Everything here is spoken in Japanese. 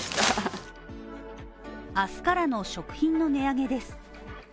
明日からの食品の値上げです。